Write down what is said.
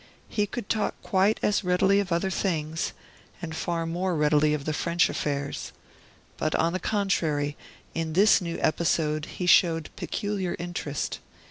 He could talk quite as readily of other things, and far more readily of the French affairs. But on the contrary, in this new episode he showed peculiar interest.